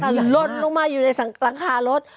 หันลดลงมาอยู่ในรังคารถ